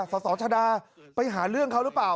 สสชดาไปหาเรื่องเขาหรือเปล่า